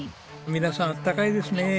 皆さんあったかいですね。